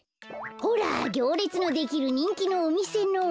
ほらぎょうれつのできるにんきのおみせの。